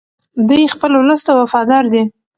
دی خپل ولس ته وفادار دی.